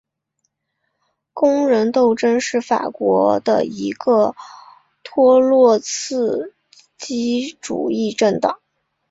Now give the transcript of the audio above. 工人斗争是法国的一个托洛茨基主义政党。